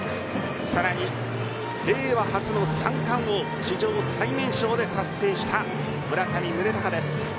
さらに令和初の三冠王を史上最年少で達成した村上宗隆です。